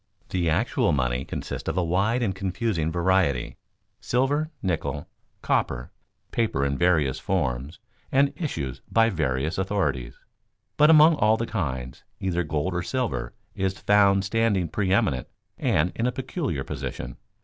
The actual money consists of a wide and confusing variety: silver, nickel, copper, paper in various forms and issued by various authorities. But among all the kinds, either gold or silver is found standing preëminent and in a peculiar position.